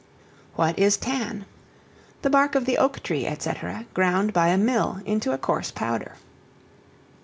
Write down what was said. What is Tan? The bark of the oak tree, &c., ground by a mill into a coarse powder.